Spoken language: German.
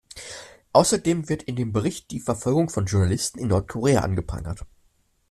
Außerdem wird in dem Bericht die Verfolgung von Journalisten in Nordkorea angeprangert.